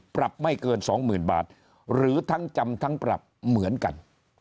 ปรับไม่เกิน๒๐๐๐บาทหรือทั้งจำทั้งปรับเหมือนกัน